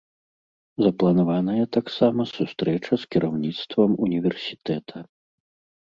Запланаваная таксама сустрэча з кіраўніцтвам універсітэта.